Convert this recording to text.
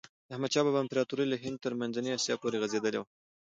د احمد شاه بابا امپراتوري له هند تر منځنۍ آسیا پورې غځېدلي وه.